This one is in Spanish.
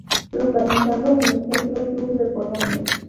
Localizado en el centro-sur de Polonia.